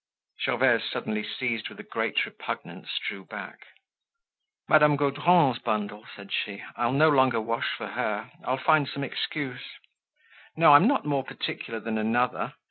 Gervaise, suddenly seized with a great repugnance, drew back. "Madame Gaudron's bundle?" said she. "I'll no longer wash for her, I'll find some excuse. No, I'm not more particular than another.